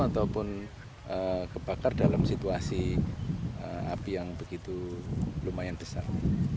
ataupun kebakar dalam situasi api yang begitu lumayan besar